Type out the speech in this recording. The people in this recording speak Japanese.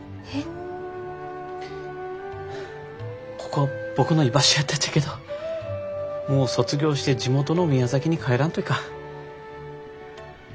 ここは僕の居場所やったっちゃけどもう卒業して地元の宮崎に帰らんといかん。